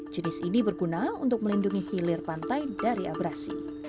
jenis ini berguna untuk melindungi hilir pantai dari abrasi